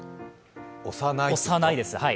押さないです。